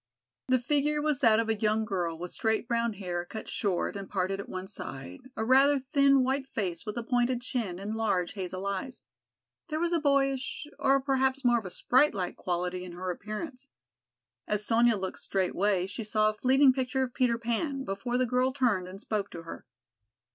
The figure was that of a young girl with straight brown hair cut short and parted at one side, a rather thin white face with a pointed chin and large hazel eyes. There was a boyish, or perhaps more of a sprite like quality in her appearance. As Sonya looked straightway she saw a fleeting picture of Peter Pan, before the girl turned and spoke to her.